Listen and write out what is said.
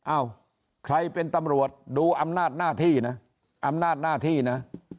อ้าวใครเป็นตำรวจดูอำนาจหน้าที่นะอำนาจหน้าที่นะ